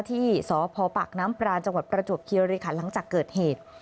ที่สพปากน้ำปรานจังหวัดประจวบคิริขันหลังจากเกิดเหตุ